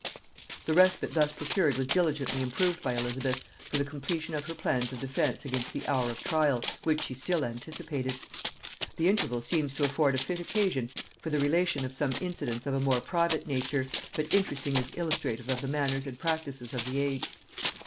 The respite thus procured was diligently improved by Elizabeth for the completion of her plans of defence against the hour of trial, which she still anticipated. The interval seems to afford a fit occasion for the relation of some incidents of a more private nature, but interesting as illustrative of the manners and practices of the age.